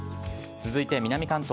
続いて南関東。